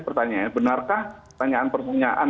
pertanyaannya benarkah pertanyaan pertanyaan